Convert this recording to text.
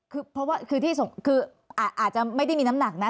คือเพราะว่าคือที่ส่งคืออาจจะไม่ได้มีน้ำหนักนะ